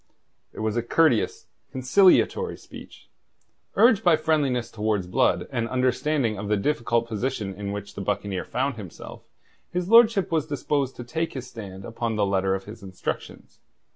It was a courteous, conciliatory speech. Urged by friendliness towards Blood and understanding of the difficult position in which the buccaneer found himself, his lordship was disposed to take his stand upon the letter of his instructions.